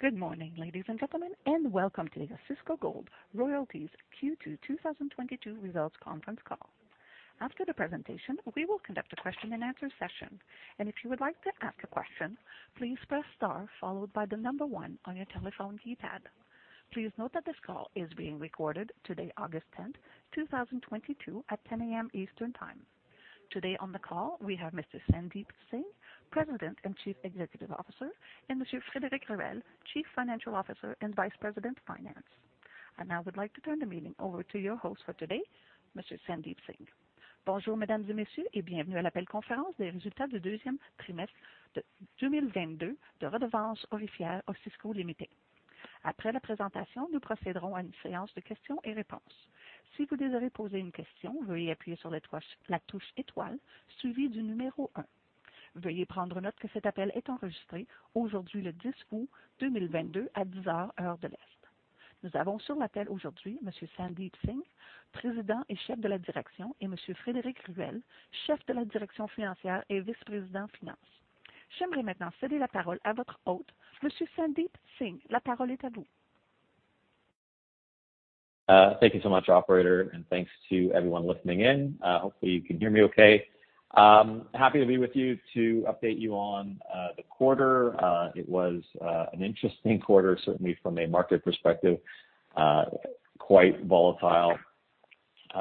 Good morning, ladies and gentlemen, and welcome to the Osisko Gold Royalties Q2 2022 Results Conference Call. After the presentation, we will conduct a question-and-answer session. If you would like to ask a question, please press star followed by the number one on your telephone keypad. Please note that this call is being recorded today, August 10, 2022, at 10 A.M. Eastern time. Today on the call, we have Mr. Sandeep Singh, President and Chief Executive Officer, and Mr. Frédéric Ruel, Chief Financial Officer and Vice President Finance. I now would like to turn the meeting over to your host for today, Mr. Sandeep Singh. Thank you so much, operator, and thanks to everyone listening in. Hopefully, you can hear me okay. Happy to be with you to update you on the quarter. It was an interesting quarter, certainly from a market perspective, quite volatile. You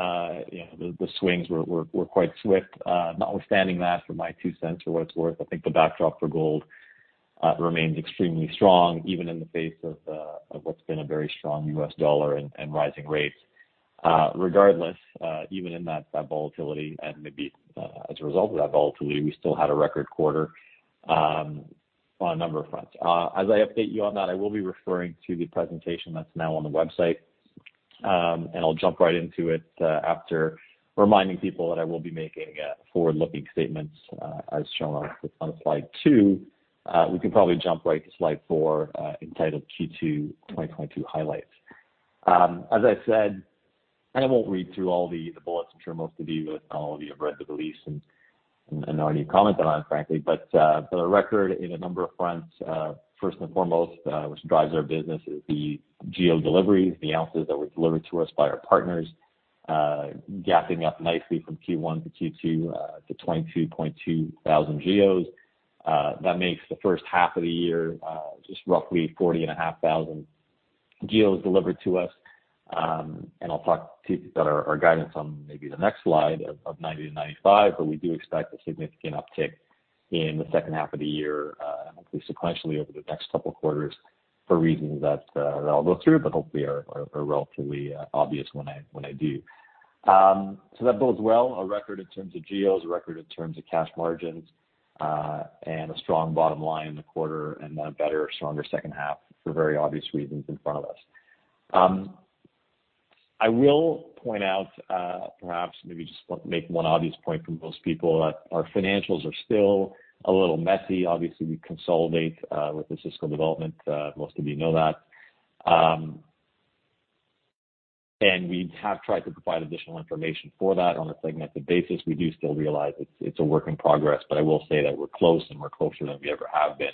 know, the swings were quite swift. Notwithstanding that, for my two cents or what it's worth, I think the backdrop for gold remains extremely strong, even in the face of what's been a very strong U.S. dollar and rising rates. Regardless, even in that volatility and maybe as a result of that volatility, we still had a record quarter on a number of fronts. As I update you on that, I will be referring to the presentation that's now on the website. I'll jump right into it after reminding people that I will be making forward-looking statements as shown on slide 2. We can probably jump right to slide 4 entitled Q2 2022 Highlights. As I said, I won't read through all the bullets. I'm sure most of you, if not all of you, have read the release and know any comment that I have, frankly. For the record, in a number of fronts, first and foremost, which drives our business is the GEO deliveries, the ounces that were delivered to us by our partners, gapping up nicely from Q1 to Q2, to 22,200 GEOs. That makes the first half of the year just roughly 40,500 GEOs delivered to us. I'll talk to our guidance on maybe the next slide of 90-95, but we do expect a significant uptick in the second half of the year, hopefully sequentially over the next couple quarters for reasons that I'll go through but hopefully are relatively obvious when I do. So that bodes well, a record in terms of GEOs, a record in terms of cash margins, and a strong bottom line in the quarter and a better, stronger second half for very obvious reasons in front of us. I will point out, perhaps maybe just want to make one obvious point for most people that our financials are still a little messy. Obviously, we consolidate with the Osisko Development, most of you know that. We have tried to provide additional information for that on a segmented basis. We do still realize it's a work in progress, but I will say that we're close and we're closer than we ever have been.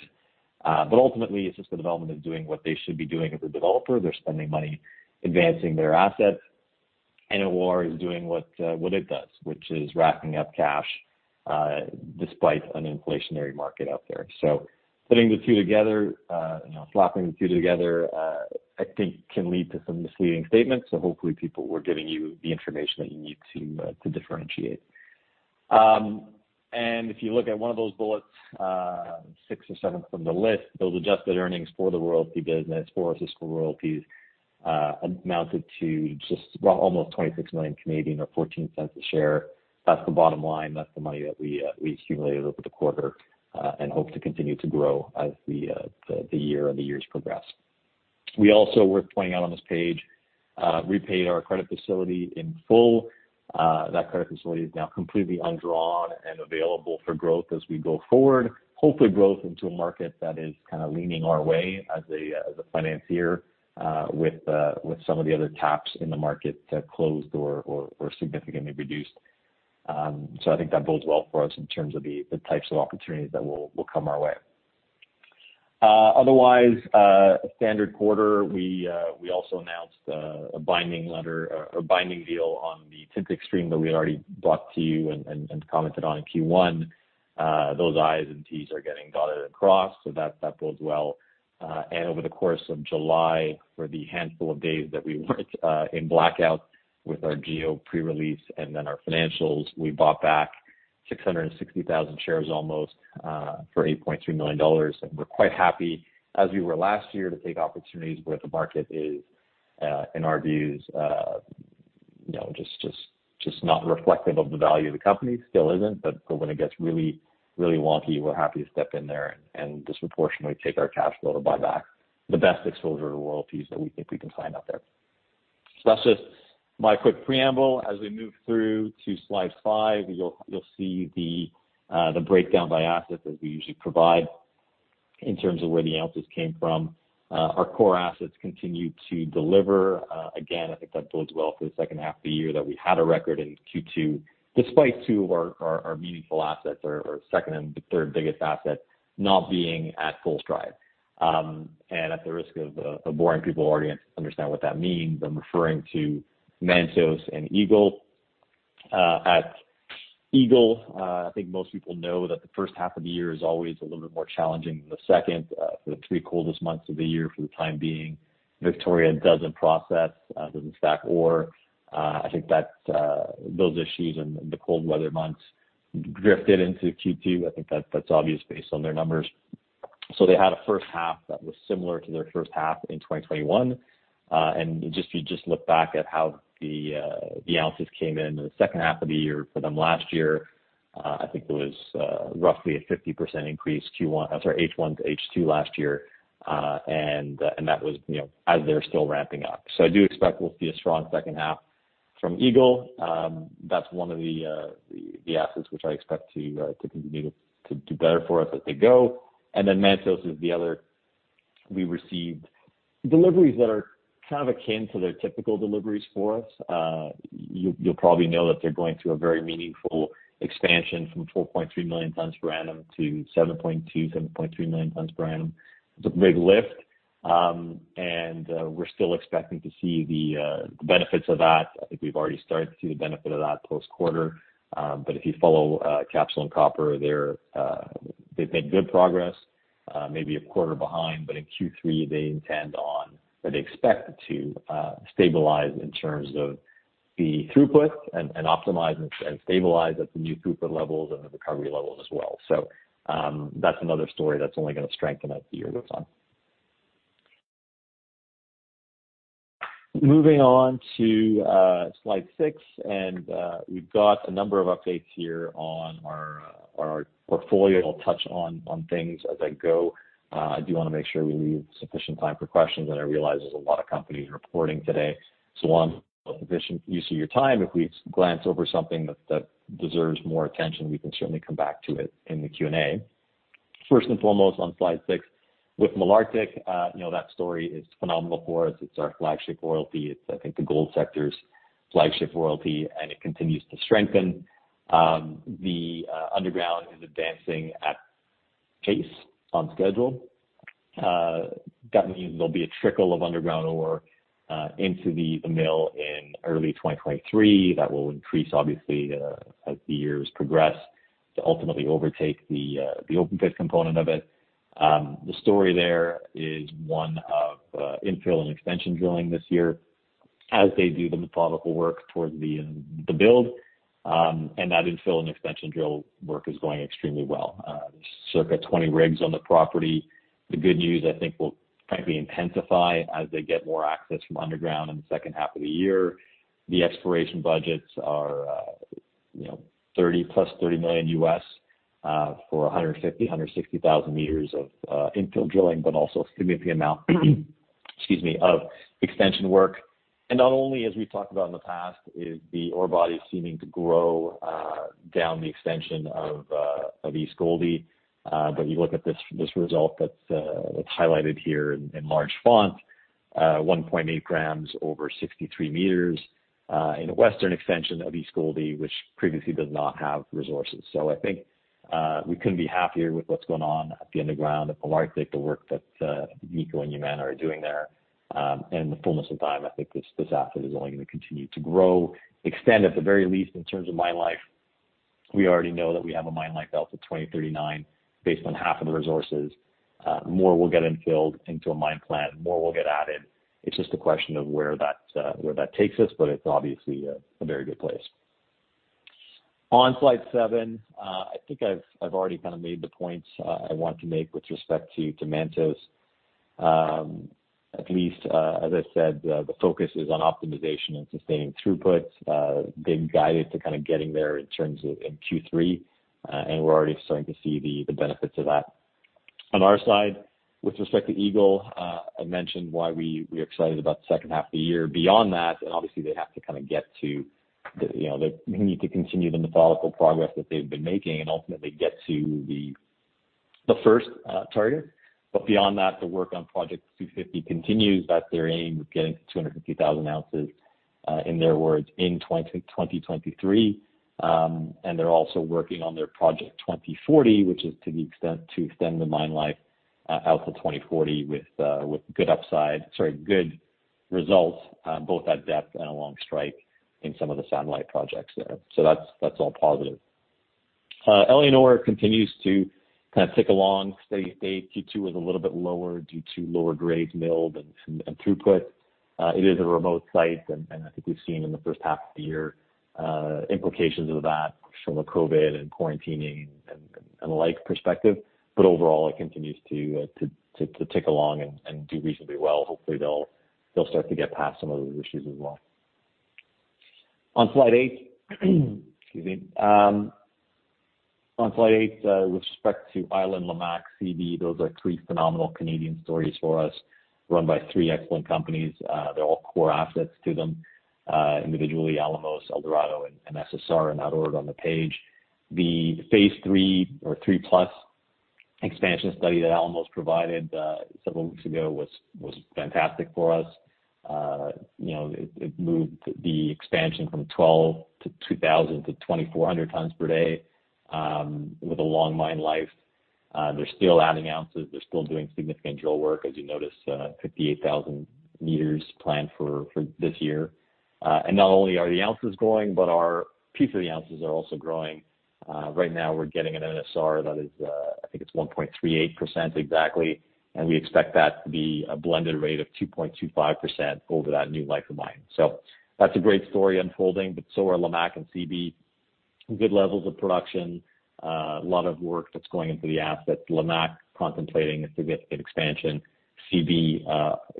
Ultimately, Osisko Development is doing what they should be doing as a developer. They're spending money advancing their assets, and OR is doing what it does, which is racking up cash, despite an inflationary market out there. Putting the two together, you know, flopping the two together, I think can lead to some misleading statements. Hopefully, people were giving you the information that you need to differentiate. If you look at one of those bullets, six or seven from the list, those adjusted earnings for the royalty business for Osisko Gold Royalties amounted to just almost 26 million or 0.14 a share. That's the bottom line. That's the money that we accumulated over the quarter and hope to continue to grow as the year and the years progress. It's also worth pointing out on this page, repaid our credit facility in full. That credit facility is now completely undrawn and available for growth as we go forward, hopefully growth into a market that is kind of leaning our way as a financier, with some of the other taps in the market closed or significantly reduced. I think that bodes well for us in terms of the types of opportunities that will come our way. Otherwise, standard quarter, we also announced a binding letter or a binding deal on the Tintic Stream that we already brought to you and commented on in Q1. Those i's and t's are getting dotted and crossed, that bodes well. Over the course of July, for the handful of days that we weren't in blackout with our GEO pre-release and then our financials, we bought back almost 660,000 shares for 8.3 million dollars. We're quite happy, as we were last year, to take opportunities where the market is, in our view, you know, just not reflective of the value of the company. Still isn't, but when it gets really wonky, we're happy to step in there and disproportionately take our cash flow to buy back the best exposure to royalties that we think we can find out there. That's just my quick preamble. As we move through to slide 5, you'll see the breakdown by asset that we usually provide in terms of where the ounces came from. Our core assets continue to deliver. Again, I think that bodes well for the second half of the year that we had a record in Q2 despite two of our meaningful assets, our second and third biggest asset not being at full stride. At the risk of boring people who already understand what that means, I'm referring to Mantos and Eagle. At Eagle, I think most people know that the first half of the year is always a little bit more challenging than the second, for the three coldest months of the year for the time being. Victoria doesn't process, doesn't stack ore. I think that those issues and the cold weather months drifted into Q2. I think that's obvious based on their numbers. They had a first half that was similar to their first half in 2021. You just look back at how the ounces came in in the second half of the year for them last year. I think it was roughly a 50% increase H1 to H2 last year. That was, you know, as they're still ramping up. I do expect we'll see a strong second half from Eagle. That's one of the assets which I expect to continue to do better for us as they go. Then Mantos is the other. We received deliveries that are kind of akin to their typical deliveries for us. You'll probably know that they're going through a very meaningful expansion from 4.3 million tons per annum to 7.2, 7.3 million tons per annum. It's a big lift, we're still expecting to see the benefits of that. I think we've already started to see the benefit of that post quarter. But if you follow Capstone Copper, they've made good progress, maybe a quarter behind, but in Q3, they intend on, or they expect to, stabilize in terms of the throughput and optimize and stabilize at the new throughput levels and the recovery levels as well. That's another story that's only going to strengthen as the year goes on. Moving on to slide 6, we've got a number of updates here on our portfolio. I'll touch on things as I go. I do want to make sure we leave sufficient time for questions, and I realize there's a lot of companies reporting today. On efficient use of your time, if we glance over something that deserves more attention, we can certainly come back to it in the Q&A. First and foremost, on slide 6, with Malartic, you know, that story is phenomenal for us. It's our flagship royalty. It's, I think, the gold sector's flagship royalty, and it continues to strengthen. The underground is advancing apace on schedule. That means there'll be a trickle of underground ore into the mill in early 2023. That will increase, obviously, as the years progress to ultimately overtake the open pit component of it. The story there is one of infill and extension drilling this year as they do the methodical work toward the build, and that infill and extension drill work is going extremely well. There's circa 20 rigs on the property. The good news, I think, will frankly intensify as they get more access from underground in the second half of the year. The exploration budgets are, you know, $30 million+ $30 million for 150,000-160,000 m of infill drilling, but also a significant amount, excuse me, of extension work. Not only, as we've talked about in the past, is the ore body seeming to grow down the extension of East Gouldie, but you look at this result that's highlighted here in large font, 1.8 g over 63 m in the western extension of East Gouldie, which previously does not have resources. I think we couldn't be happier with what's going on at the underground at Malartic, the work that Agnico and Yamana are doing there. In the fullness of time, I think this asset is only going to continue to grow, extend at the very least in terms of mine life. We already know that we have a mine life out to 2039 based on half of the resources. More will get infilled into a mine plan. More will get added. It's just a question of where that takes us, but it's obviously a very good place. On slide seven, I think I've already kind of made the points I want to make with respect to Mantos. At least, as I said, the focus is on optimization and sustaining throughputs. They've guided to kind of getting there in terms of Q3, and we're already starting to see the benefits of that. On our side, with respect to Eagle, I mentioned why we're excited about the second half of the year. Beyond that, obviously they have to kind of get to the, you know, they need to continue the methodical progress that they've been making and ultimately get to the first target. Beyond that, the work on Project 250 continues. That's their aim of getting to 250,000 oz, in their words, in 2023. They're also working on their Project 2040, which is to extend the mine life out to 2040 with good results both at depth and along strike in some of the satellite projects there. That's all positive. Éléonore continues to kind of tick along, stay. Q2 was a little bit lower due to lower grades milled and throughput. It is a remote site, and I think we've seen in the first half of the year, implications of that from a COVID and quarantining and like perspective. But overall, it continues to tick along and do reasonably well. Hopefully, they'll start to get past some of those issues as well. On slide eight, with respect to Island Gold, Lamaque, Seabee, those are three phenomenal Canadian stories for us run by three excellent companies. They're all core assets to them individually, Alamos, Eldorado, and SSR in that order on the page. The Phase III or III+ expansion study that Alamos provided several weeks ago was fantastic for us. You know, it moved the expansion from 12 to 2,000 to 2,400 tons per day, with a long mine life. They're still adding ounces. They're still doing significant drill work. As you notice, 58,000 m planned for this year. Not only are the ounces growing, but our piece of the ounces are also growing. Right now we're getting an NSR that is, I think it's 1.38% exactly, and we expect that to be a blended rate of 2.25% over that new life of mine. That's a great story unfolding, but so are Lamaque and Seabee. Good levels of production. A lot of work that's going into the assets. Lamaque contemplating a significant expansion. Seabee,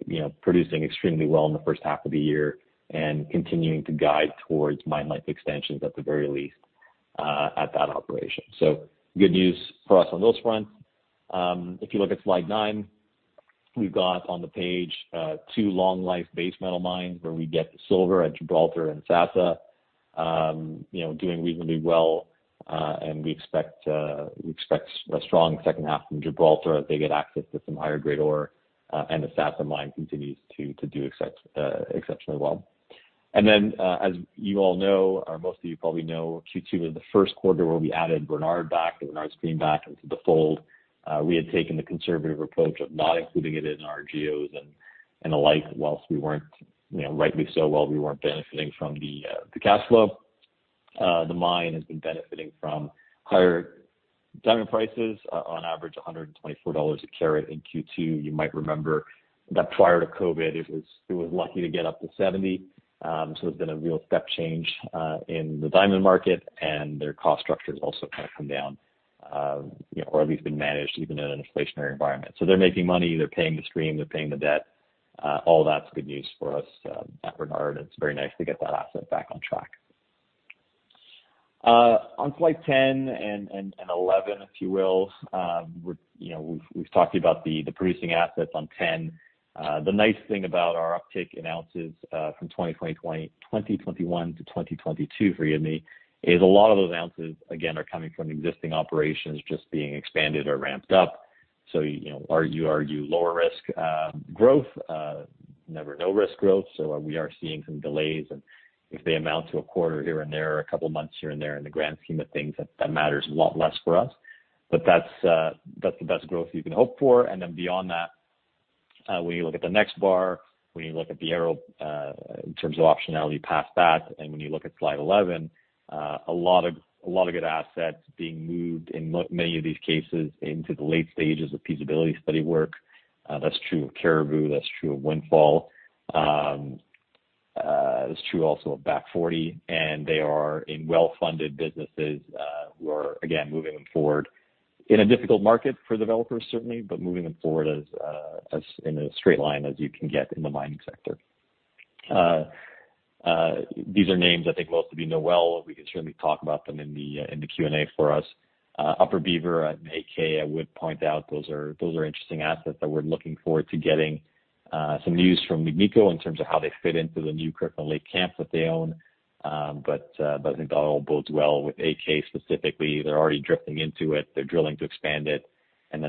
you know, producing extremely well in the first half of the year and continuing to guide towards mine life extensions at the very least, at that operation. Good news for us on those fronts. If you look at slide 9, we've got on the page, two long life base metal mines where we get the silver at Gibraltar and Sasa, you know, doing reasonably well. We expect a strong second half from Gibraltar as they get access to some higher-grade ore, and the Sasa mine continues to do exceptionally well. As you all know, or most of you probably know, Q2 was the first quarter where we added Renard back, the Renard stream back into the fold. We had taken the conservative approach of not including it in our GEOs and the like, while we weren't, you know, rightly so, while we weren't benefiting from the cash flow. The mine has been benefiting from higher diamond prices, on average, 124 dollars a carat in Q2. You might remember that prior to COVID, it was lucky to get up to 70. It's been a real step change in the diamond market, and their cost structure has also kind of come down, you know, or at least been managed even in an inflationary environment. They're making money. They're paying the stream. They're paying the debt. All that's good news for us at Renard, it's very nice to get that asset back on track. On slide 10 and 11, if you will, we're, you know, we've talked about the producing assets on 10. The nice thing about our uptick in ounces from 2021 to 2022, forgive me, is a lot of those ounces, again, are coming from existing operations just being expanded or ramped up. You know, are you lower risk growth? Never no risk growth. We are seeing some delays, and if they amount to 1/4 here and there, a couple months here and there, in the grand scheme of things, that matters a lot less for us. That's the best growth you can hope for. Then beyond that, when you look at the next bar, when you look at the arrow, in terms of optionality past that, and when you look at slide 11, a lot of good assets being moved in many of these cases into the late stages of feasibility study work. That's true of Cariboo, that's true of Windfall. That's true also of Back Forty, and they are in well-funded businesses, who are again, moving them forward in a difficult market for developers certainly, but moving them forward as in a straight line as you can get in the mining sector. These are names I think most of you know well. We can certainly talk about them in the Q&A for us. Upper Beaver and AK, I would point out those are interesting assets that we're looking forward to getting some news from Agnico in terms of how they fit into the new Kirkland Lake camp that they own. I think that all bodes well with AK specifically. They're already drifting into it. They're drilling to expand it.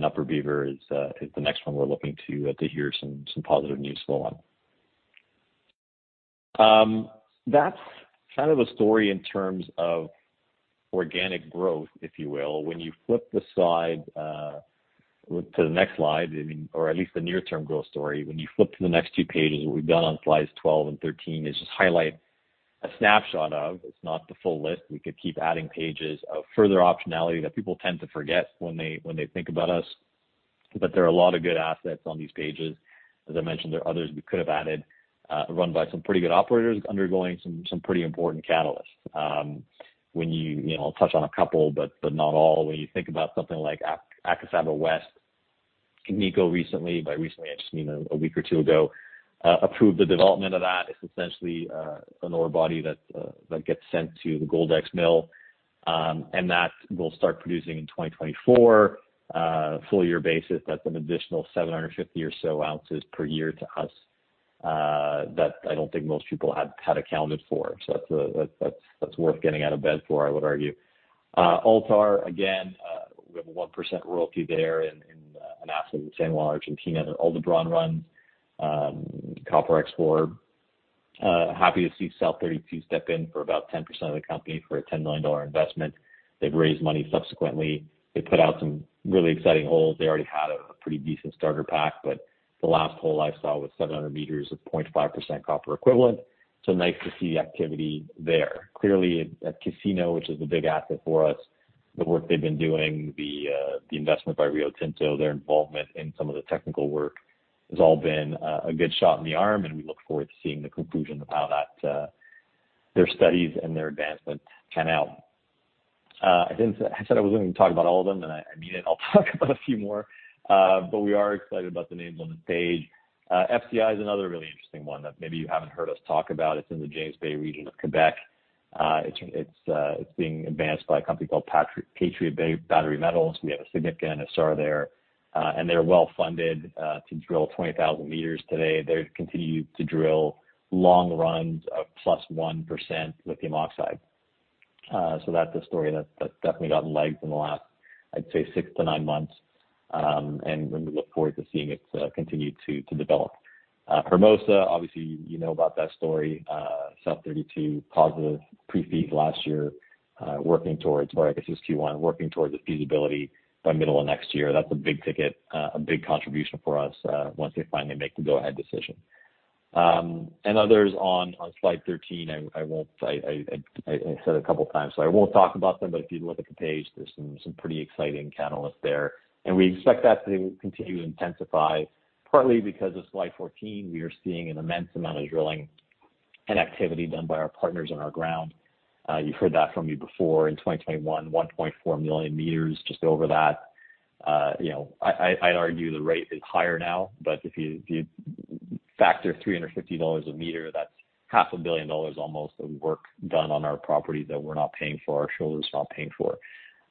Upper Beaver is the next one we're looking to hear some positive news flow on. That's kind of the story in terms of organic growth, if you will. When you flip the slide to the next slide, I mean, or at least the near term growth story, when you flip to the next two pages, what we've done on slides 12 and 13 is just highlight a snapshot of, it's not the full list, we could keep adding pages, of further optionality that people tend to forget when they think about us. But there are a lot of good assets on these pages. As I mentioned, there are others we could have added, run by some pretty good operators undergoing some pretty important catalysts. You know, I'll touch on a couple, but not all. When you think about something like Akasaba West, Agnico Eagle recently, by recently I just mean a week or two ago, approved the development of that. It's essentially an ore body that gets sent to the Goldex mill, and that will start producing in 2024 full-year basis. That's an additional 750 or so oz per year to us that I don't think most people had accounted for. That's worth getting out of bed for, I would argue. Altar, again. We have a 1% royalty there in an asset in San Juan, Argentina, that Aldebaran runs, copper explorer. Happy to see South32 step in for about 10% of the company for a $10 million investment. They've raised money subsequently. They put out some really exciting holes. They already had a pretty decent starter pack, but the last hole I saw was 700 m of 0.5% copper equivalent. Nice to see activity there. Clearly at Casino, which is the big asset for us, the work they've been doing, the investment by Rio Tinto, their involvement in some of the technical work has all been a good shot in the arm, and we look forward to seeing the conclusion of how that, their studies and their advancements pan out. I said I wasn't going to talk about all of them, and I mean it. I'll talk about a few more. We are excited about the names on the page. FCI is another really interesting one that maybe you haven't heard us talk about. It's in the James Bay region of Québec. It's being advanced by a company called Patriot Battery Metals. We have a significant NSR there, and they're well-funded to drill 20,000 m today. They continue to drill long runs of +1% lithium oxide. That's a story that's definitely gotten legs in the last, I'd say six to nine months. We look forward to seeing it continue to develop. Hermosa, obviously you know about that story, sub-$32 positive PFS last year, or I guess it was Q1, working towards its feasibility by middle of next year. That's a big ticket, a big contribution for us, once they finally make the go-ahead decision. Others on slide 13, I said a couple of times, so I won't talk about them, but if you look at the page, there's some pretty exciting catalysts there. We expect that to continue to intensify, partly because of slide 14, we are seeing an immense amount of drilling and activity done by our partners on our ground. You've heard that from me before. In 2021, 1.4 million m just over that. You know, I'd argue the rate is higher now, but if you factor 350 million dollars a m, that's $500 million almost of work done on our property that we're not paying for, our shareholders are not paying for.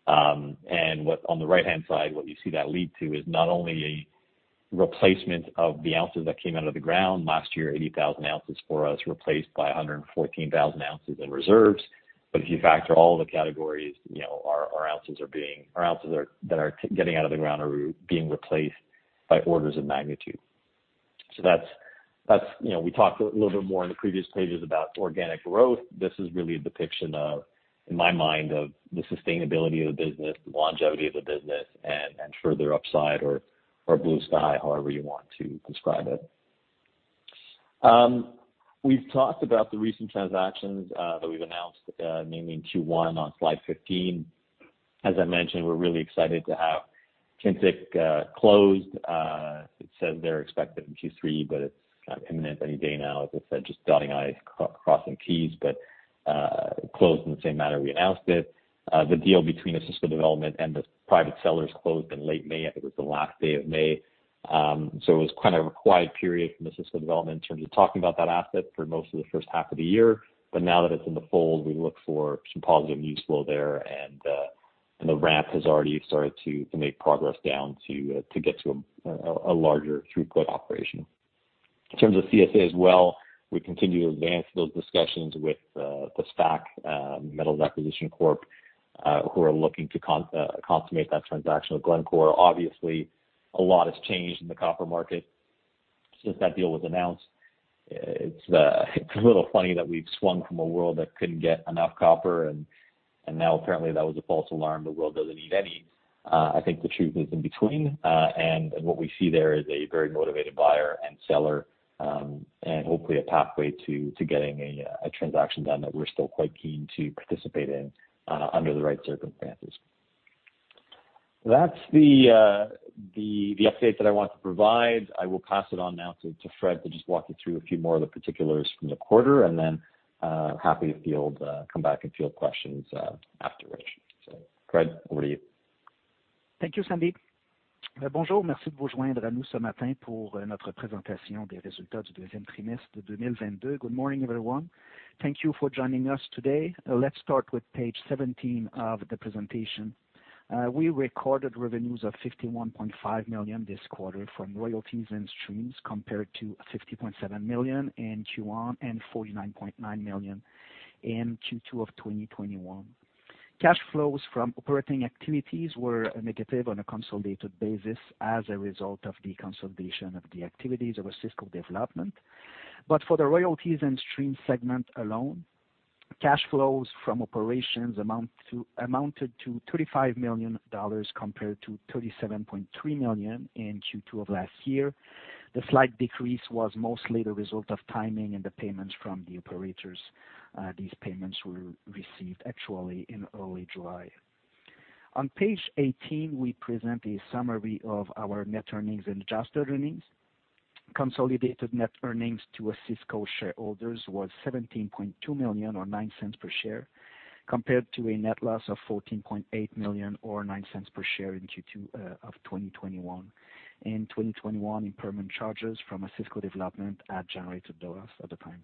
On the right-hand side, what you see that lead to is not only a replacement of the ounces that came out of the ground last year, 80,000 oz for us, replaced by 114,000 oz in reserves. If you factor all the categories, you know, our ounces that are getting out of the ground are being replaced by orders of magnitude. That's you know we talked a little bit more in the previous pages about organic growth. This is really a depiction of, in my mind, of the sustainability of the business, the longevity of the business, and further upside or blue sky, however you want to describe it. We've talked about the recent transactions that we've announced mainly in Q1 on slide 15. As I mentioned, we're really excited to have Tintic closed. It says they're expected in Q3, but it's kind of imminent any day now. As I said, just dotting I's, crossing T's, but it closed in the same manner we announced it. The deal between Osisko Development and the private sellers closed in late May. I think it was the last day of May. It was kind of a quiet period from Osisko Development in terms of talking about that asset for most of the first half of the year. Now that it's in the fold, we look for some positive news flow there, and the ramp has already started to make progress down to get to a larger throughput operation. In terms of CSA as well, we continue to advance those discussions with Metals Acquisition Corp, who are looking to consummate that transaction with Glencore. Obviously, a lot has changed in the copper market since that deal was announced. It's a little funny that we've swung from a world that couldn't get enough copper and now apparently that was a false alarm, the world doesn't need any. I think the truth is in between, and what we see there is a very motivated buyer and seller, and hopefully a pathway to getting a transaction done that we're still quite keen to participate in, under the right circumstances. That's the updates that I want to provide. I will pass it on now to Fred to just walk you through a few more of the particulars from the quarter, and then happy to come back and field questions afterwards. Fred, over to you. Thank you, Sandeep. Bonjour. Merci de vous joindre à nous ce matin pour notre présentation des résultats du deuxième trimestre de 2022. Good morning, everyone. Thank you for joining us today. Let's start with page 17 of the presentation. We recorded revenues of 51.5 million this quarter from royalties and streams, compared to 50.7 million in Q1, and 49.9 million in Q2 of 2021. Cash flows from operating activities were negative on a consolidated basis as a result of the consolidation of the activities of Osisko Development. For the royalties and stream segment alone, cash flows from operations amounted to 35 million dollars compared to 37.3 million in Q2 of last year. The slight decrease was mostly the result of timing in the payments from the operators. These payments were received actually in early July. On page 18, we present a summary of our net earnings and adjusted earnings. Consolidated net earnings to Osisko shareholders was 17.2 million or 0.09 per share, compared to a net loss of 14.8 million or 0.09 per share in Q2 of 2021. In 2021, impairment charges from Osisko Development had generated the loss at the time.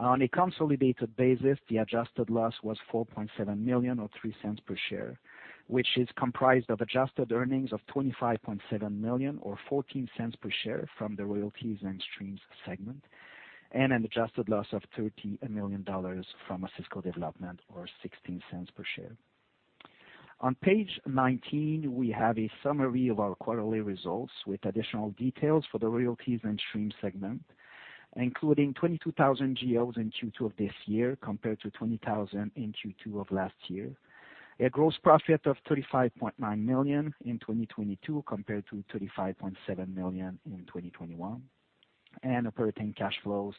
On a consolidated basis, the adjusted loss was 4.7 million or 0.03 per share, which is comprised of adjusted earnings of 25.7 million or 0.14 per share from the royalties and streams segment, and an adjusted loss of 30 million dollars from Osisko Development or 0.16 per share. On page 19, we have a summary of our quarterly results with additional details for the royalties and stream segment, including 22,000 GEOs in Q2 of this year, compared to 20,000 in Q2 of last year. A gross profit of 35.9 million in 2022 compared to 35.7 million in 2021. Operating cash flows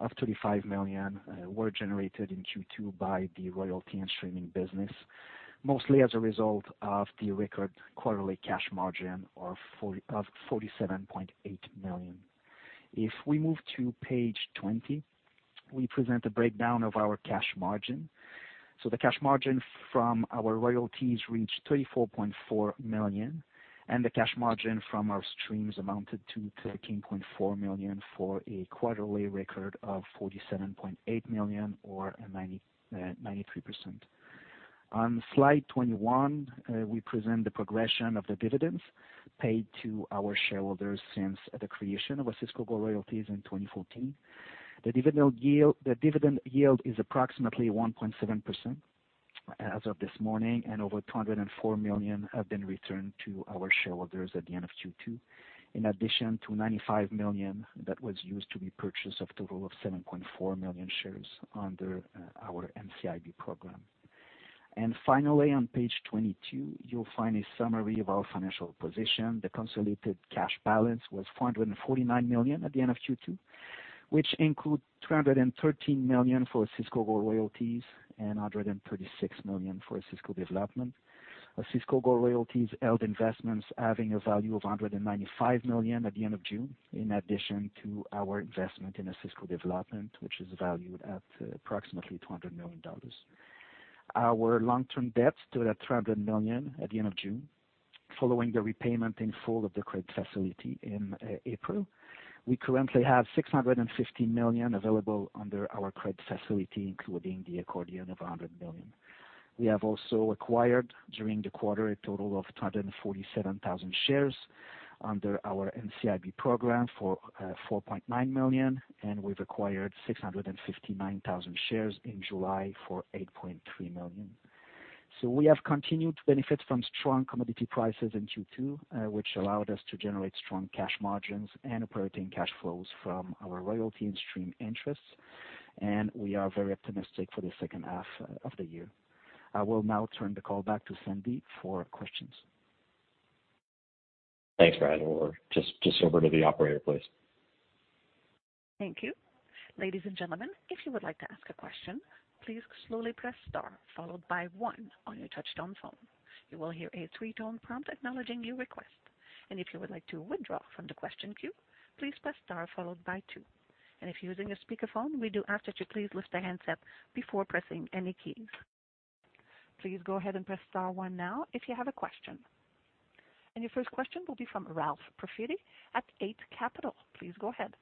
of 35 million were generated in Q2 by the royalty and streaming business, mostly as a result of the record quarterly cash margin of 47.8 million. If we move to page 20, we present a breakdown of our cash margin. The cash margin from our royalties reached 34.4 million, and the cash margin from our streams amounted to 13.4 million for a quarterly record of 47.8 million or a 93%. On slide 21, we present the progression of the dividends paid to our shareholders since the creation of Osisko Gold Royalties in 2014. The dividend yield is approximately 1.7% as of this morning, and over 204 million have been returned to our shareholders at the end of Q2. In addition to 95 million that was used to repurchase a total of 7.4 million shares under our NCIB program. Finally, on page 22, you'll find a summary of our financial position. The consolidated cash balance was 449 million at the end of Q2, which include 213 million for Osisko Gold Royalties and 136 million for Osisko Development. Osisko Gold Royalties held investments having a value of 195 million at the end of June, in addition to our investment in Osisko Development, which is valued at approximately $200 million. Our long-term debt stood at 300 million at the end of June, following the repayment in full of the credit facility in April. We currently have 650 million available under our credit facility, including the accordion of 100 million. We have also acquired, during the quarter, a total of 247,000 shares under our NCIB program for 4.9 million, and we've acquired 659,000 shares in July for 8.3 million. We have continued to benefit from strong commodity prices in Q2, which allowed us to generate strong cash margins and operating cash flows from our royalty and stream interests, and we are very optimistic for the second half of the year. I will now turn the call back to Sandeep for questions. Thanks, Fred. We're just over to the operator, please. Thank you. Ladies and gentlemen, if you would like to ask a question, please slowly press star followed by one on your touchtone phone. You will hear a three-tone prompt acknowledging your request. If you would like to withdraw from the question queue, please press star followed by two. If you're using a speakerphone, we do ask that you please lift the handset before pressing any keys. Please go ahead and press star one now if you have a question. Your first question will be from Ralph Profiti at Eight Capital. Please go ahead.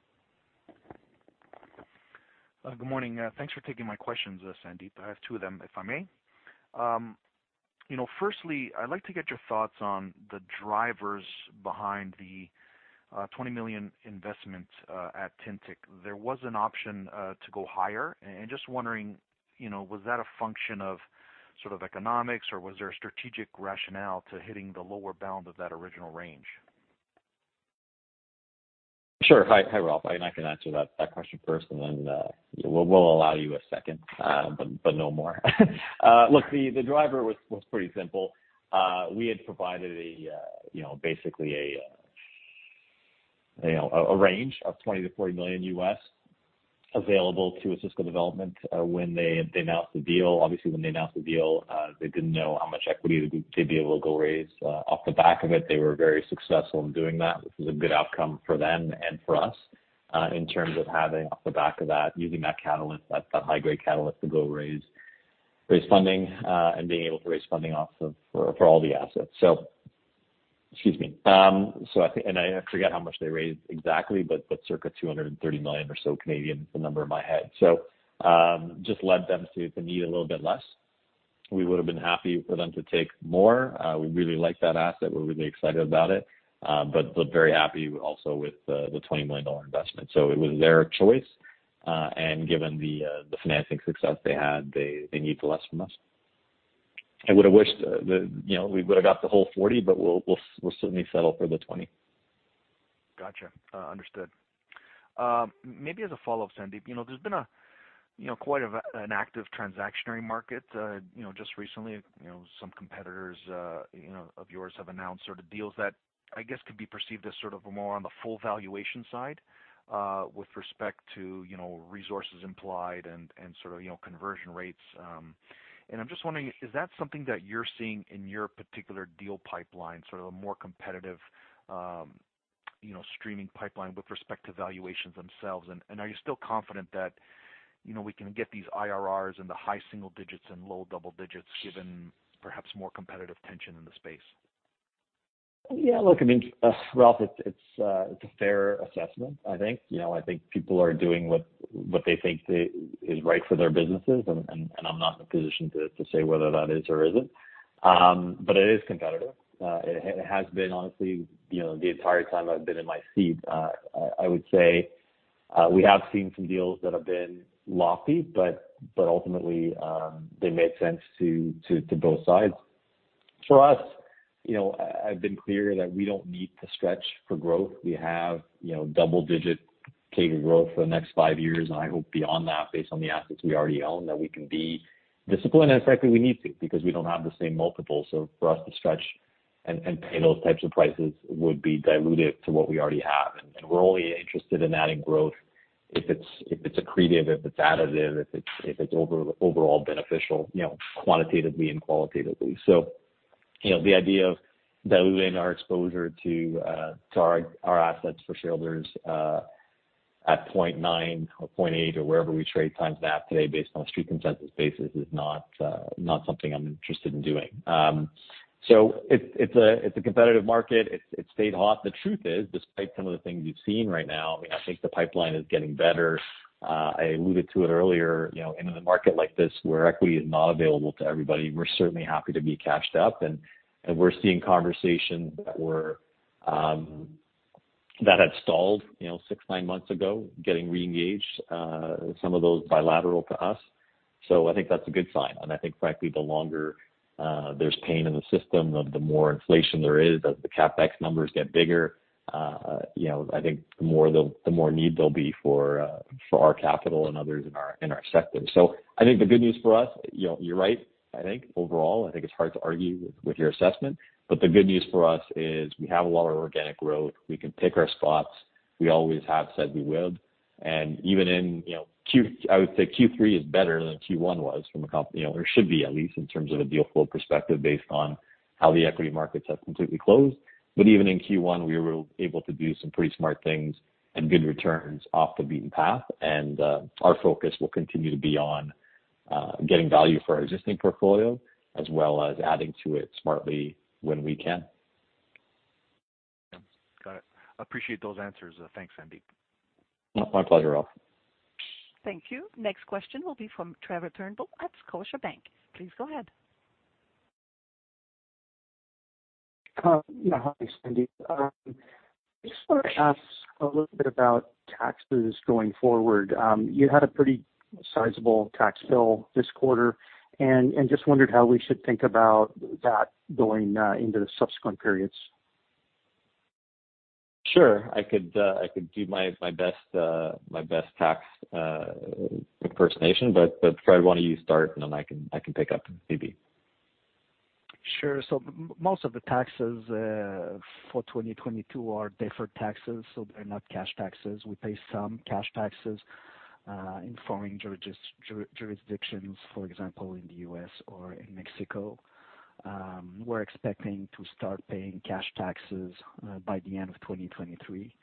Good morning. Thanks for taking my questions, Sandeep. I have two of them, if I may. You know, firstly, I'd like to get your thoughts on the drivers behind the 20 million investment at Tintic. There was an option to go higher. Just wondering, you know, was that a function of sort of economics, or was there a strategic rationale to hitting the lower bound of that original range? Sure. Hi, Ralph. I can answer that question first, and then we'll allow you a second, but no more. Look, the driver was pretty simple. We had provided, you know, basically a range of $20 million-$40 million available to Osisko Development, when they announced the deal. Obviously, when they announced the deal, they didn't know how much equity they'd be able to go raise off the back of it. They were very successful in doing that, which was a good outcome for them and for us in terms of having off the back of that, using that catalyst, that high-grade catalyst to go raise funding, and being able to raise funding off of for all the assets. Excuse me. I think, and I forget how much they raised exactly, but circa 230 million or so Canadian, the number in my head. Just led them to need a little bit less. We would have been happy for them to take more. We really like that asset. We're really excited about it. But very happy also with the 20 million dollar investment. It was their choice, and given the financing success they had, they needed less from us. I would have wished, you know, we would have got the whole 40 million, but we'll certainly settle for the 20 million. Gotcha. Understood. Maybe as a follow-up, Sandeep, you know, there's been quite an active transactional market. You know, just recently, you know, some competitors of yours have announced sort of deals that I guess could be perceived as sort of more on the full valuation side with respect to you know, resources implied and sort of conversion rates. I'm just wondering, is that something that you're seeing in your particular deal pipeline, sort of a more competitive you know, streaming pipeline with respect to valuations themselves? Are you still confident that you know, we can get these IRRs in the high single digits and low double digits given perhaps more competitive tension in the space? Yeah. Look, I mean, Ralph, it's a fair assessment, I think. You know, I think people are doing what they think is right for their businesses. I'm not in a position to say whether that is or isn't. But it is competitive. It has been honestly, you know, the entire time I've been in my seat. I would say we have seen some deals that have been lofty, but ultimately, they made sense to both sides. For us, you know, I've been clear that we don't need to stretch for growth. We have, you know, double-digit CAGR growth for the next five years, and I hope beyond that, based on the assets we already own, that we can be disciplined and effective. We need to because we don't have the same multiples. For us to stretch and pay those types of prices would be dilutive to what we already have. We're only interested in adding growth if it's accretive, if it's additive, if it's overall beneficial, you know, quantitatively and qualitatively. You know, the idea of diluting our exposure to our assets for shareholders at 0.9 or 0.8 or wherever we trade times NAV today based on a street consensus basis is not something I'm interested in doing. It's a competitive market. It stayed hot. The truth is, despite some of the things we've seen right now, I mean, I think the pipeline is getting better. I alluded to it earlier, you know, in a market like this where equity is not available to everybody, we're certainly happy to be cashed up, and we're seeing conversations that had stalled, you know, six, nine months ago, getting re-engaged, some of those bilateral to us. I think that's a good sign. I think, frankly, the longer there's pain in the system, the more inflation there is, as the CapEx numbers get bigger, you know, I think the more need there'll be for our capital and others in our sector. I think the good news for us, you know, you're right. I think overall, I think it's hard to argue with your assessment. The good news for us is we have a lot of organic growth. We can pick our spots. We always have said we will. Even in, you know, I would say Q3 is better than Q1 was from a, you know, or should be at least in terms of a deal flow perspective based on how the equity markets have completely cooled. Even in Q1, we were able to do some pretty smart things and good returns off the beaten path. Our focus will continue to be on getting value for our existing portfolio as well as adding to it smartly when we can. Yeah. Got it. Appreciate those answers. Thanks, Sandeep. My pleasure, Ralph. Thank you. Next question will be from Trevor Turnbull at Scotiabank. Please go ahead. Hi, Sandeep. I just want to ask a little bit about taxes going forward. You had a pretty sizable tax bill this quarter, and just wondered how we should think about that going into the subsequent periods. Sure. I could do my best tax impersonation, but Fred, why don't you start, and then I can pick up maybe. Sure. Most of the taxes for 2022 are deferred taxes, so they're not cash taxes. We pay some cash taxes in foreign jurisdictions, for example, in the U.S. or in Mexico. We're expecting to start paying cash taxes by the end of 2023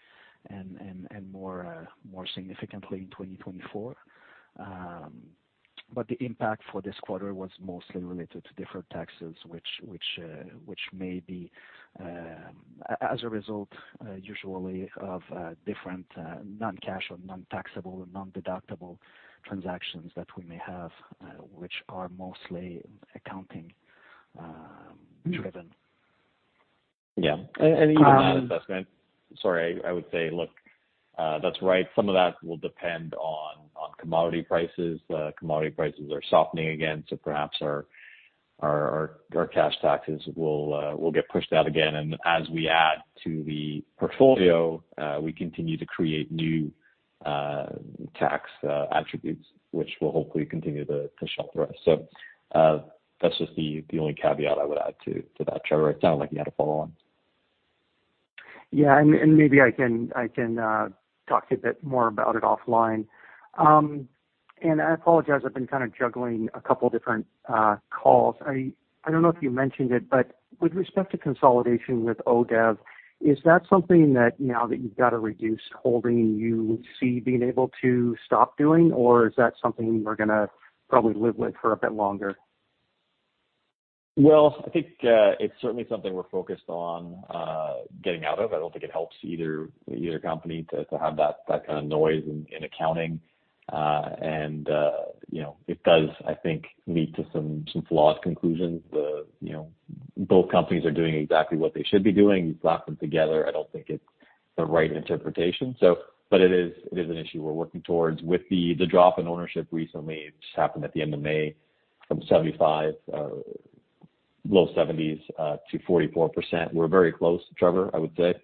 and more significantly in 2024. The impact for this quarter was mostly related to deferred taxes, which may be as a result usually of different non-cash or non-taxable or non-deductible transactions that we may have, which are mostly accounting driven. Yeah. Even on that assessment, sorry, I would say, look, that's right. Some of that will depend on commodity prices. Commodity prices are softening again. Perhaps our cash taxes will get pushed out again. And as we add to the portfolio, we continue to create new tax attributes, which will hopefully continue to shelter us. That's just the only caveat I would add to that, Trevor. It sounded like you had a follow on. Yeah, maybe I can talk a bit more about it offline. I apologize, I've been kind of juggling a couple different calls. I don't know if you mentioned it, but with respect to consolidation with ODV, is that something that now that you've got a reduced holding you see being able to stop doing, or is that something we're gonna probably live with for a bit longer? I think it's certainly something we're focused on getting out of. I don't think it helps either company to have that kind of noise in accounting. You know, it does, I think, lead to some flawed conclusions. You know, both companies are doing exactly what they should be doing. You slap them together, I don't think it's the right interpretation. It is an issue we're working towards. With the drop in ownership recently, it just happened at the end of May from 75%, low 70s%, to 44%. We're very close, Trevor, I would say.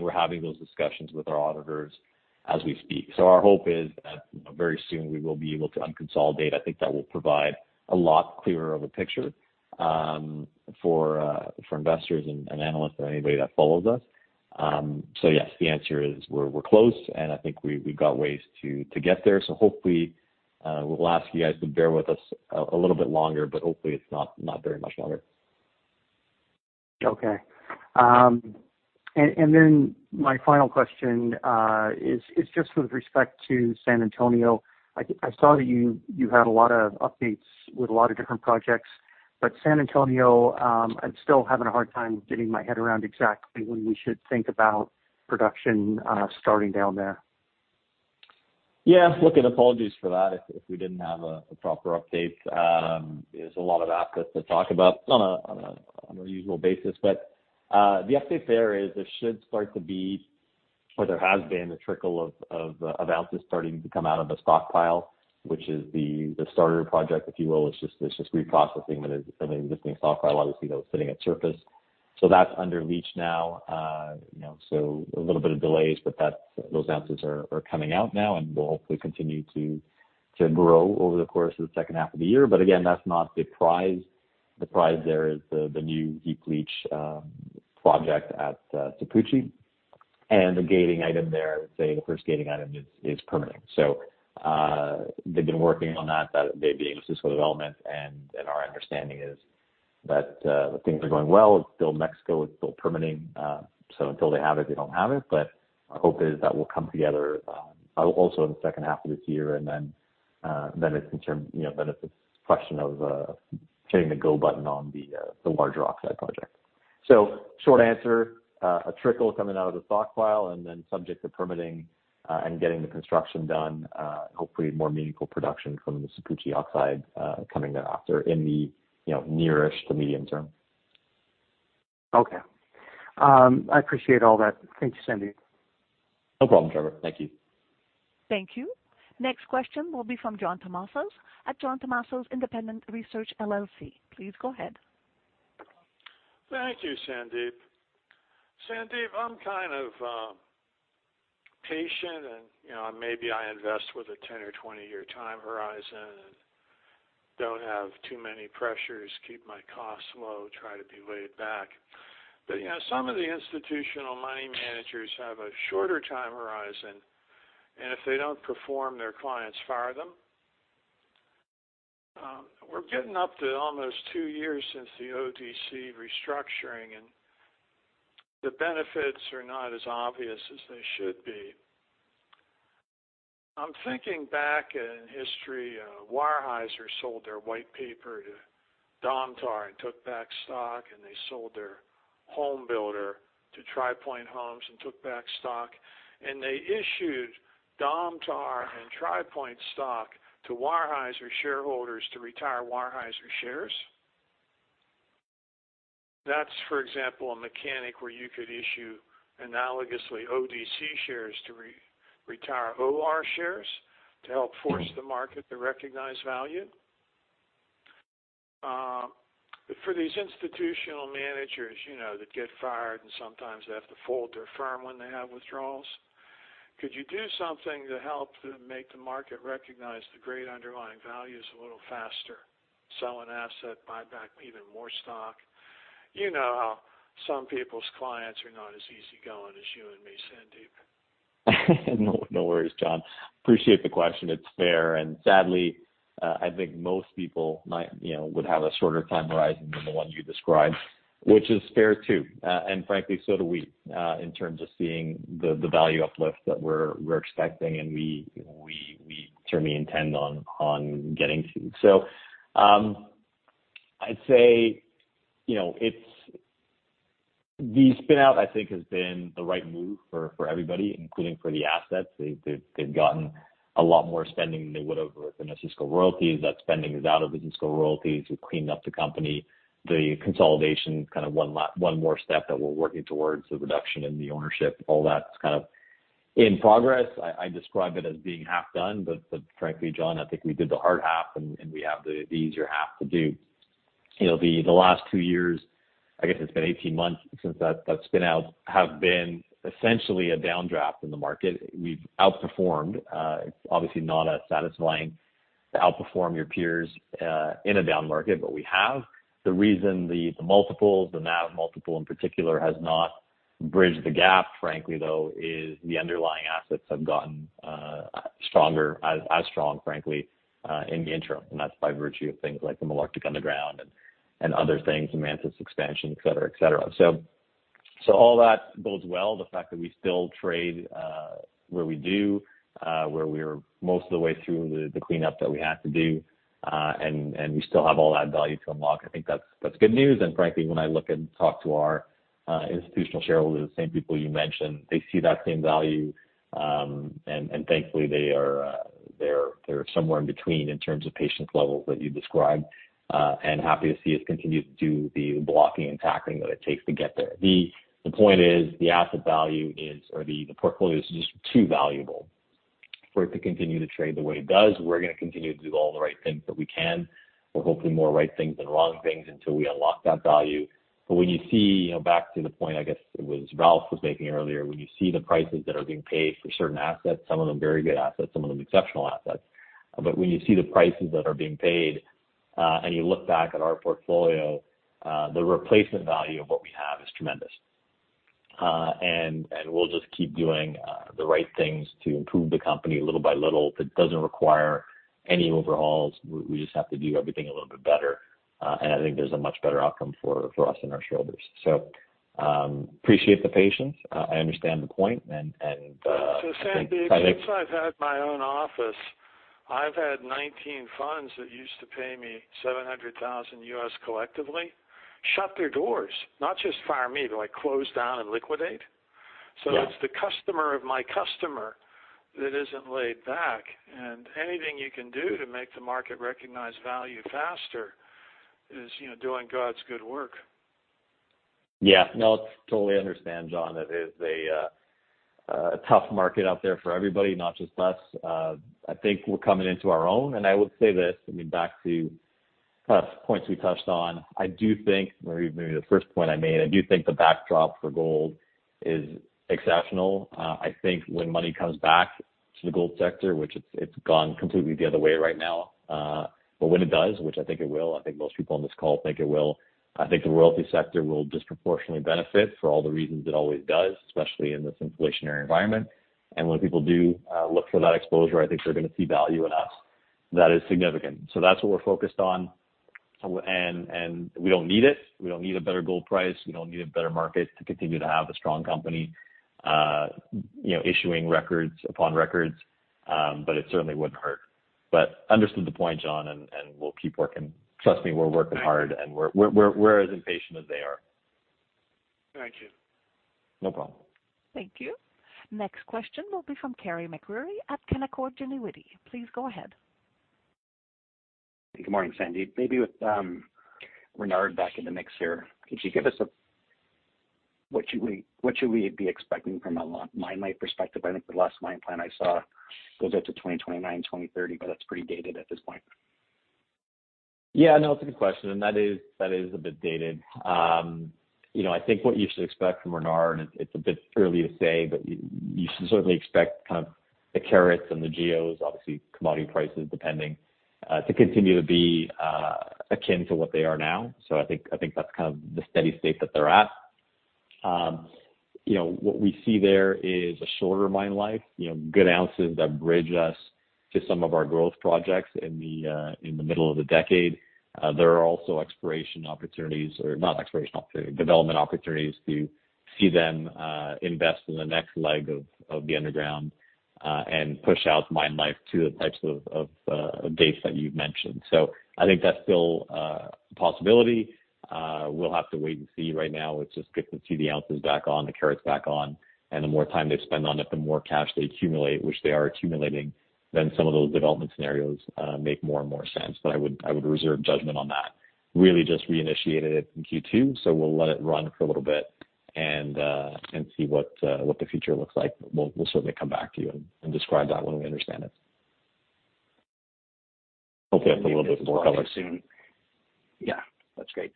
We're having those discussions with our auditors as we speak. Our hope is that very soon we will be able to unconsolidate. I think that will provide a lot clearer of a picture for investors and analysts or anybody that follows us. Yes, the answer is we're close, and I think we've got ways to get there. Hopefully, we'll ask you guys to bear with us a little bit longer, but hopefully it's not very much longer. Okay. My final question is just with respect to San Antonio. I think I saw that you had a lot of updates with a lot of different projects, but San Antonio, I'm still having a hard time getting my head around exactly when we should think about production starting down there. Yeah. Look, apologies for that if we didn't have a proper update. There's a lot of assets to talk about on a usual basis. The update there is there should start to be, or there has been a trickle of ounces starting to come out of the stockpile, which is the starter project, if you will. It's just reprocessing an existing stockpile, obviously, that was sitting at surface. That's under leach now. You know, a little bit of delays, but those ounces are coming out now and will hopefully continue to grow over the course of the second half of the year. Again, that's not the prize. The prize there is the new deep leach project at Sapuchi. The gating item there, I would say the first gating item is permitting. They've been working on that. That they being Osisko Development. Our understanding is that things are going well. It's still Mexico, it's still permitting. Until they have it, they don't have it. Our hope is that will come together also in the second half of this year and then it's a question of hitting the go button on the larger oxide project. Short answer, a trickle coming out of the stockpile, and then subject to permitting and getting the construction done, hopefully more meaningful production from the Sapuchi oxide coming thereafter in the near-ish to medium term. Okay. I appreciate all that. Thank you, Sandeep. No problem, Trevor. Thank you. Thank you. Next question will be from John Tumazos at John Tumazos Very Independent Research, LLC. Please go ahead. Thank you, Sandeep. Sandeep, I'm kind of patient and, you know, maybe I invest with a 10 or 20-year time horizon and don't have too many pressures, keep my costs low, try to be laid back. You know, some of the institutional money managers have a shorter time horizon, and if they don't perform, their clients fire them. We're getting up to almost two years since the ODC restructuring, and the benefits are not as obvious as they should be. I'm thinking back in history, Weyerhaeuser sold their white paper to Domtar and took back stock, and they sold their home builder to Tri Pointe Homes and took back stock. They issued Domtar and Tri Pointe stock to Weyerhaeuser shareholders to retire Weyerhaeuser shares. That's, for example, a mechanism where you could issue analogously ODV shares to re-retire OR shares to help force the market to recognize value. For these institutional managers, you know, that get fired and sometimes they have to fold their firm when they have withdrawals, could you do something to help to make the market recognize the great underlying values a little faster? Sell an asset, buy back even more stock. You know how some people's clients are not as easygoing as you and me, Sandeep. No, no worries, John. Appreciate the question. It's fair. Sadly, I think most people might, you know, would have a shorter time horizon than the one you described, which is fair, too. Frankly, so do we, in terms of seeing the value uplift that we're expecting, and we certainly intend on getting to. I'd say, you know, it's the spin out, I think, has been the right move for everybody, including for the assets. They've gotten a lot more spending than they would have within Osisko Royalties. That spending is out of Osisko Royalties. We've cleaned up the company, the consolidation, kind of one more step that we're working towards, the reduction in the ownership, all that's kind of in progress. I describe it as being half done, but frankly, John, I think we did the hard half and we have the easier half to do. You know, the last two years, I guess it's been 18 months since that spin out, have been essentially a downdraft in the market. We've outperformed. It's obviously not as satisfying to outperform your peers in a down market, but we have. The reason the multiples, the NAV multiple in particular, has not bridged the gap, frankly, though, is the underlying assets have gotten stronger, as strong, frankly, in the interim, and that's by virtue of things like the Malartic Underground and other things, the Mantos expansion, et cetera, et cetera. All that bodes well. The fact that we still trade where we do, where we're most of the way through the cleanup that we have to do, and we still have all that value to unlock, I think that's good news. Frankly, when I look and talk to our institutional shareholders, the same people you mentioned, they see that same value. Thankfully, they're somewhere in between in terms of patience levels that you described and happy to see us continue to do the blocking and tackling that it takes to get there. The point is the asset value is, or the portfolio is just too valuable for it to continue to trade the way it does. We're gonna continue to do all the right things that we can, or hopefully more right things than wrong things until we unlock that value. When you see, you know, back to the point, I guess it was Ralph was making earlier, when you see the prices that are being paid for certain assets, some of them very good assets, some of them exceptional assets. When you see the prices that are being paid, and you look back at our portfolio, the replacement value of what we have is tremendous. We'll just keep doing the right things to improve the company little by little. It doesn't require any overhauls. We just have to do everything a little bit better. I think there's a much better outcome for us and our shareholders. Appreciate the patience. I understand the point and Sandeep, since I've had my own office, I've had 19 funds that used to pay me $700,000 collectively shut their doors, not just fire me, but like, close down and liquidate. Yeah. It's the customer of my customer that isn't laid back. Anything you can do to make the market recognize value faster is, you know, doing God's good work. Yeah. No, I totally understand, John. It is a tough market out there for everybody, not just us. I think we're coming into our own. I would say this, I mean, back to kind of points we touched on, I do think, or even maybe the first point I made, I do think the backdrop for gold is exceptional. I think when money comes back to the gold sector, which it's gone completely the other way right now, but when it does, which I think it will, I think most people on this call think it will, I think the royalty sector will disproportionately benefit for all the reasons it always does, especially in this inflationary environment. When people do look for that exposure, I think they're gonna see value in us that is significant. That's what we're focused on. We don't need it. We don't need a better gold price. We don't need a better market to continue to have a strong company, you know, issuing records upon records. But it certainly wouldn't hurt. Understood the point, John, and we'll keep working. Trust me, we're working hard, and we're as impatient as they are. Thank you. No problem. Thank you. Next question will be from Carey MacRury at Canaccord Genuity. Please go ahead. Good morning, Sandeep. Maybe with Renard back in the mix here, could you give us what should we be expecting from a mine life perspective? I think the last mine plan I saw goes out to 2029, 2030, but that's pretty dated at this point. Yeah, no, it's a good question, and that is a bit dated. You know, I think what you should expect from Renard, it's a bit early to say, but you should certainly expect kind of the carats and the GEOs, obviously, commodity prices depending, to continue to be akin to what they are now. So, I think that's kind of the steady state that they're at. You know, what we see there is a shorter mine life, you know, good ounces that bridge us to some of our growth projects in the middle of the decade. There are also development opportunities to see them invest in the next leg of the underground and push out mine life to the types of dates that you've mentioned. I think that's still a possibility. We'll have to wait and see. Right now, it's just good to see the ounces back on, the carats back on, and the more time they spend on it, the more cash they accumulate, which they are accumulating, then some of those development scenarios make more and more sense. I would reserve judgment on that, really just reinitiated it in Q2. We'll let it run for a little bit and see what the future looks like. We'll certainly come back to you and describe that when we understand it. Hopefully, I've been a little bit more helpful. Yeah, that's great.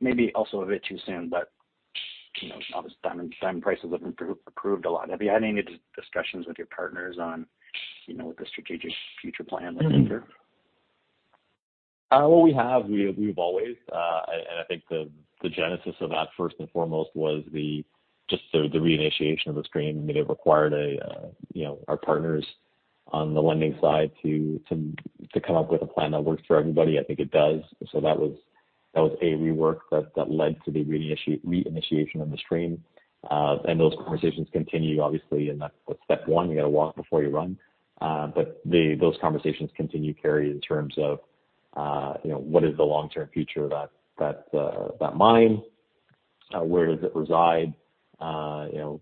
Maybe also a bit too soon, but, you know, obviously diamond prices have improved a lot. Have you had any discussions with your partners on, you know, the strategic future plan looking forward? Well, we've always, and I think the genesis of that, first and foremost was just the reinitiation of the stream. It required, you know, our partners on the lending side to come up with a plan that works for everybody. I think it does. That was a rework that led to the reinitiation of the stream. Those conversations continue, obviously, and that's step one. You got to walk before you run. Those conversations continue, Carey, in terms of, you know, what is the long-term future of that mine. Where does it reside. You know,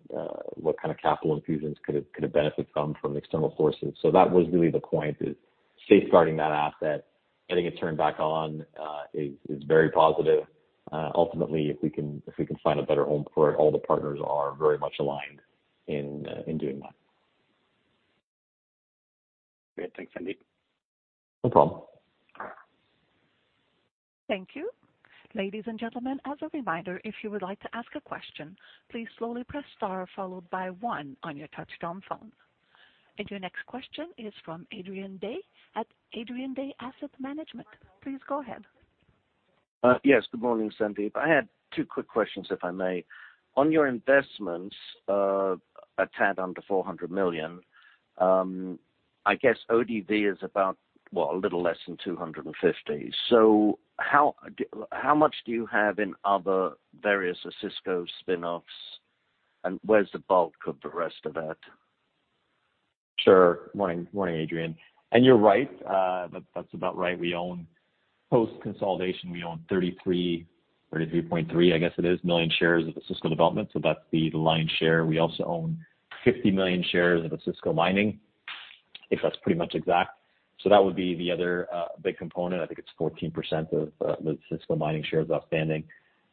what kind of capital infusions could a benefit come from external forces. That was really the point, is safeguarding that asset, getting it turned back on, is very positive. Ultimately, if we can find a better home for it, all the partners are very much aligned in doing that. Great. Thanks, Sandeep. No problem. Thank you. Ladies and gentlemen, as a reminder, if you would like to ask a question, please slowly press star followed by one on your touchtone phone. Your next question is from Adrian Day at Adrian Day Asset Management. Please go ahead. Yes, good morning, Sandeep. I had two quick questions, if I may. On your investments, a tad under 400 million, I guess ODV is about, what, a little less than 250 million. How much do you have in other various Osisko spin-offs, and where's the bulk of the rest of that? Sure. Morning, Adrian. You're right. That's about right. We own, post consolidation, we own 33.3 million shares of Osisko Development. That's the lion's share. We also own 50 million shares of Osisko Mining, if that's pretty much exact. That would be the other big component. I think it's 14% of the Osisko Mining shares outstanding.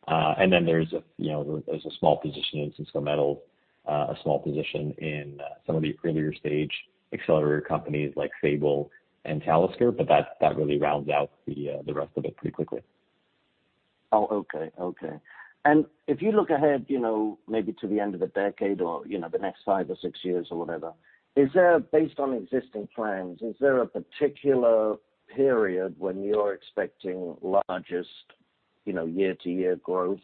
Then, you know, there's a small position in Osisko Metals, a small position in some of the earlier stage accelerator companies like Fable and Talisker, but that really rounds out the rest of it pretty quickly. Oh, okay. Okay. If you look ahead, you know, maybe to the end of the decade or, you know, the next five or six years or whatever, based on existing plans, is there a particular period when you're expecting largest, you know, year-to-year growth?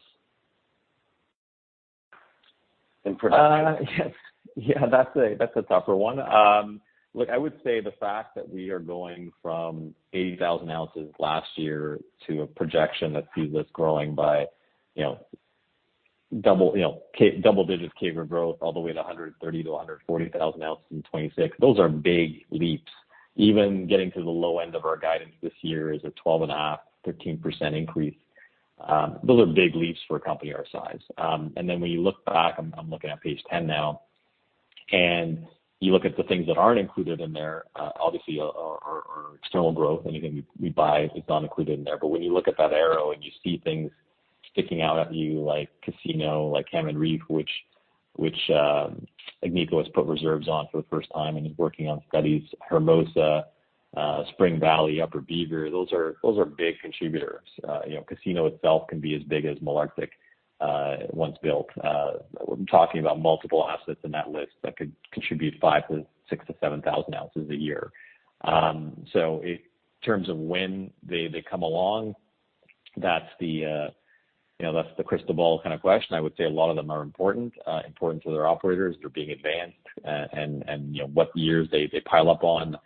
Yes. Yeah, that's a tougher one. Look, I would say the fact that we are going from 80,000 oz last year to a projection that sees us growing by, you know, double, you know, double-digit CAGR growth all the way to 130,000-140,000 oz in 2026, those are big leaps. Even getting to the low end of our guidance this year is a 12.5-13% increase. Those are big leaps for a company our size. When you look back, I'm looking at page 10 now, and you look at the things that aren't included in there, obviously our external growth, anything we buy is not included in there. When you look at that arrow and you see things sticking out at you like Casino, like Hammond Reef, which Agnico has put reserves on for the first time and is working on studies, Hermosa, Spring Valley, Upper Beaver, those are big contributors. You know, Casino itself can be as big as Malartic once built. We're talking about multiple assets in that list that could contribute 5,000 to 6,000 to 7,000 oz a year. In terms of when they come along, that's the crystal ball kind of question. I would say a lot of them are important to their operators. They're being advanced. You know, what years they pile up on,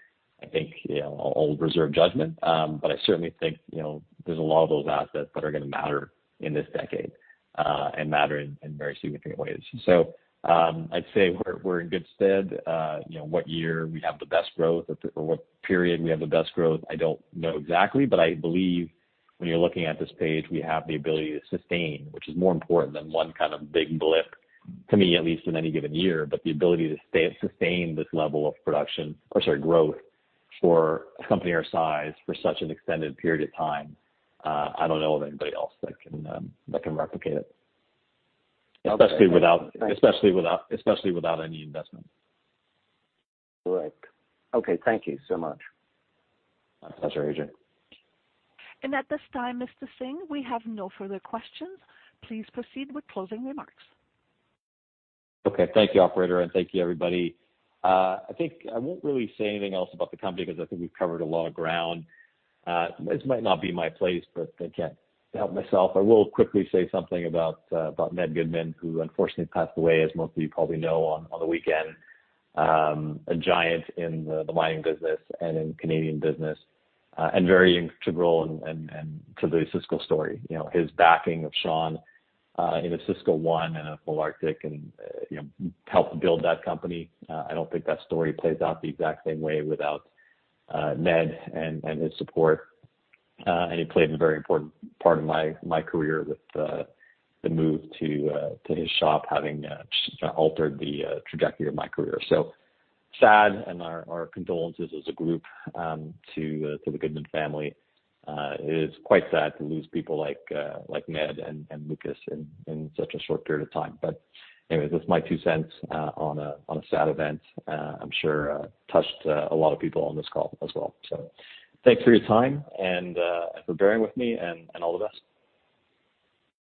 I think, you know, I'll reserve judgment. I certainly think, you know, there's a lot of those assets that are gonna matter in this decade, and matter in very significant ways. I'd say we're in good stead. You know, what year we have the best growth or what period we have the best growth, I don't know exactly, but I believe when you're looking at this page, we have the ability to sustain, which is more important than one kind of big blip, to me, at least in any given year. The ability to sustain this level of production or, sorry, growth for a company our size for such an extended period of time, I don't know of anybody else that can replicate it. Okay. Especially without any investment. Correct. Okay, thank you so much. My pleasure, AJ. At this time, Mr. Singh, we have no further questions. Please proceed with closing remarks. Okay. Thank you, operator, and thank you, everybody. I think I won't really say anything else about the company because I think we've covered a lot of ground. This might not be my place, but I can't help myself. I will quickly say something about Ned Goodman, who unfortunately passed away, as most of you probably know, on the weekend. A giant in the mining business and in Canadian business, and very integral and to the Osisko story. You know, his backing of Sean in Osisko One and a Polar Arctic and, you know, helped build that company. I don't think that story plays out the exact same way without Ned and his support. He played a very important part in my career with the move to his shop, having altered the trajectory of my career. Sad and our condolences as a group to the Goodman family. It is quite sad to lose people like Ned and Lukas in such a short period of time. Anyway, that's my two cents on a sad event. I'm sure touched a lot of people on this call as well. Thanks for your time and for bearing with me and all the best.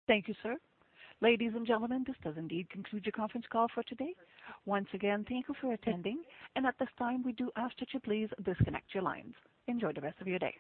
Thank you, sir. Ladies and gentlemen, this does indeed conclude your conference call for today. Once again, thank you for attending. At this time, we do ask that you please disconnect your lines. Enjoy the rest of your day.